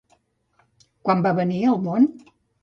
Quan va venir al món?